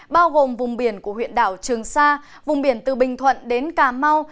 bao gồm vùng biển của huyện đảo trường sa vùng biển từ bình thuận đến cà mau